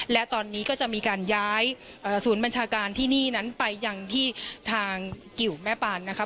และตอนนี้ก็จะมีการย้ายศูนย์บัญชาการที่นี่นั้นไปยังที่ทางกิวแม่ปานนะครับ